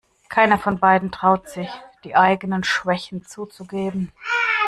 Keiner von beiden traut sich, die eigenen Schwächen zuzugeben.